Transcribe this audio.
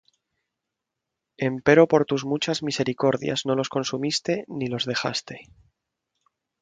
Empero por tus muchas misericordias no los consumiste, ni los dejaste;